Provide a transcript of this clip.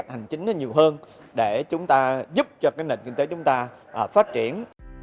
hành chính nhiều hơn để chúng ta giúp cho cái nền kinh tế chúng ta phát triển